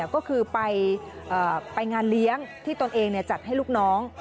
ก็คือไปงานเลี้ยงที่ตนเองจัดให้ลูกน้อง